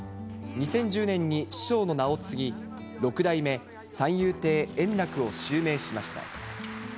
２０１０年に師匠の名を継ぎ、六代目三遊亭円楽を襲名しました。